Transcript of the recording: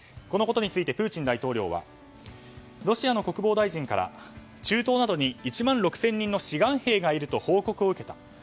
このことについてプーチン大統領はロシアの国防大臣から中東などに１万６０００人の志願兵がいると報告を受けた。